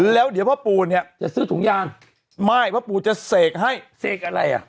แล้วเดี๋ยวพ่อปู่เนี่ยจะซื้อถุงยางไม่พ่อปู่จะเสกให้เสกอะไรอ่ะ